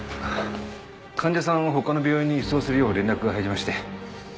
患者さんを他の病院に移送するよう連絡が入りまして。